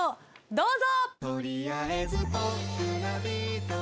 どうぞ！